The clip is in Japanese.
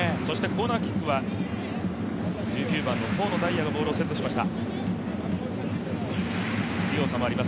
コーナーキックは１９番の遠野大弥がボールをセットしました。